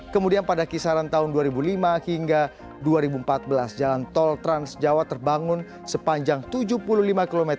kemudian pada kisaran tahun dua ribu lima hingga dua ribu empat belas jalan tol trans jawa terbangun sepanjang tujuh puluh lima km